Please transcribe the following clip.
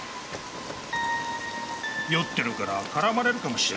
酔ってるから絡まれるかもしれない。